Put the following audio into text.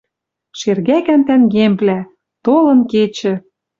«Шергӓкӓн тӓнгемвлӓ! Толын кечӹ